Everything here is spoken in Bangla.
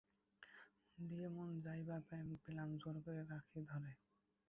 মন দিয়ে মন নাই বা পেলেম জোর করে রাখিব ধরে।